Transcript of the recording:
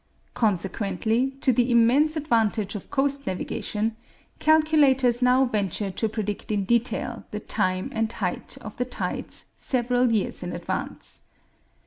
Consequently, to the immense advantage of coast navigation, calculators now venture to predict in detail the time and height of the tides several years in advance.